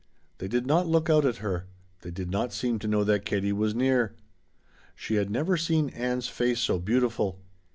They did not look out at her. They did not seem to know that Katie was near. She had never seen Ann's face so beautiful.